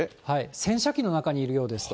洗車機の中にいるようですと。